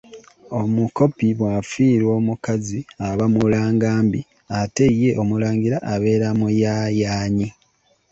Omukopi bwafiirwa omukazi aba mulangambi ate ye omulangira abeera Muyayaanyi.